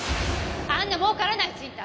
あんな儲からない賃貸